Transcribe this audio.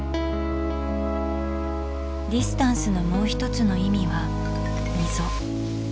「ディスタンス」のもう一つの意味は「溝」。